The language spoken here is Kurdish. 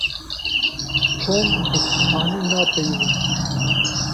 Tom bi Spanî napeyive.